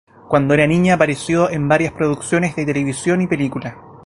Cuando era niña apareció en varias producciones de televisión y película.